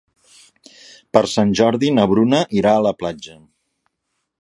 Per Sant Jordi na Bruna irà a la platja.